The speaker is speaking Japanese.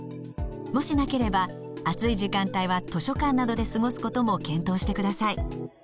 もしなければ暑い時間帯は図書館などで過ごすことも検討してください。